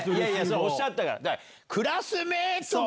おっしゃったから。